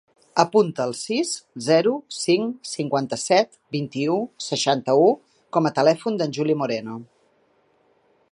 Apunta el sis, zero, cinc, cinquanta-set, vint-i-u, seixanta-u com a telèfon del Juli Moreno.